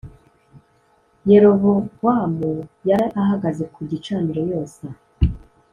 Yerobowamu yari ahagaze ku gicaniro yosa